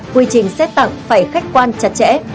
quy trình xét tặng phải khách quan chặt chẽ